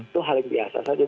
itu hal yang biasa saja